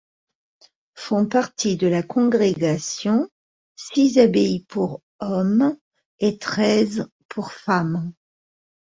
Font partie de la congrégation six abbayes pour hommes et treize pour femmes.